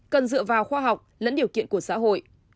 cần dựa vào khoa học lẫn điều kiện của xã hội